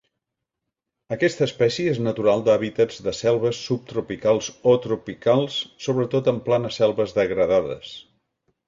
Aquesta espècie és natural d'hàbitats de selves subtropicals o tropicals sobretot en planes selves degradades.